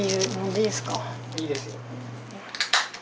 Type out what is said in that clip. いいですよ。